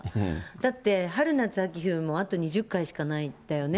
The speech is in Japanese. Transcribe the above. だって、春夏秋冬も、もう、あと２０回しかないんだよね。